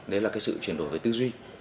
đấy là cái sự chuyển đổi với tư duy